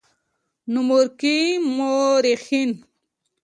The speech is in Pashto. نومورکي مؤرخين